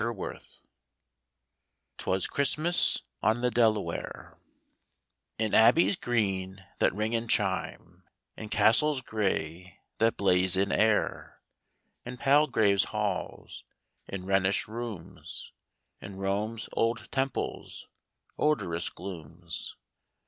ih t "'TWAS CHRISTMAS ON THE DELAWARE; TN abbeys green that ring and chime, ^ In castles gray that blaze in air, In palgraves' halls, in Rhenish rooms. In Rome's old temples' odorous glooms.